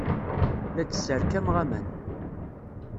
La d-sserkameɣ aman.